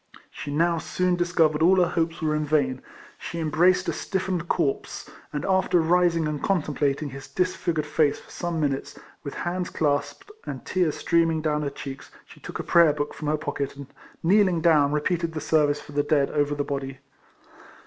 She now soon discovered all her hopes were in vain; she embraced a stiffened corpse, and after rising and contemplating his dis figured face for some minutes, with hands clasped, and tears streaming down her cheeks she took a prayer book from her pocket, and kneeling down, repeated the service for the dead over the body.